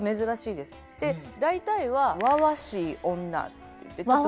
で大体はわわしい女っていってちょっと。